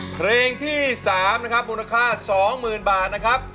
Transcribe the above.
เพลงที่สามนะครับมูลค่าสองหมื่นบาทนะครับ